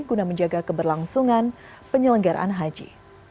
guna menjaga keberlangsungan penyelenggaraan haji